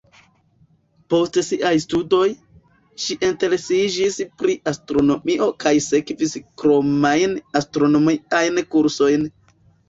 Post siaj studoj, ŝi interesiĝis pri astronomio kaj sekvis kromajn astronomiajn kursojn.